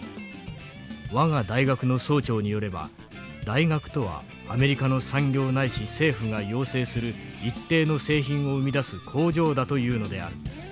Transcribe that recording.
我が大学の総長によれば大学とはアメリカの産業ないし政府が要請する一定の製品を生み出す工場だというのである。